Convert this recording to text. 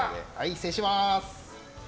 失礼します！